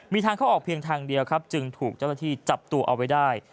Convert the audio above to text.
มีทางเข้าออกเพียงทางเดียวครับจึงถูกเจ้าหน้าที่จับตัวเอาไว้ได้